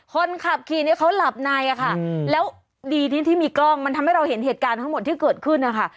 คนขับขี่เนี่ยเขาหลับในอะค่ะแล้วดีที่ที่มีกล้องมันทำให้เราเห็นเหตุการณ์ทั้งหมดที่เกิดขึ้นนะคะ